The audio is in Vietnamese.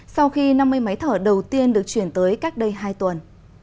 sau khi năm mươi máy thở đầu tiên được chuyển tới cách đây hai tuần